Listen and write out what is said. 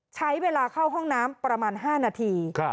ใช้เวลาเข้าห้องน้ำประมาณ๕นาที